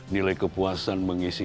nilai kepuasan mengisi